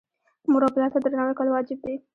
مور او پلار ته درناوی کول واجب دي.